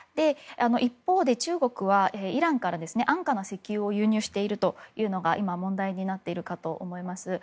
一方で、中国はイランから安価な石油を輸入しているのが今、問題になっているかと思います。